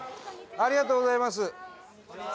ありがとうございます。